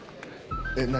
えっ何？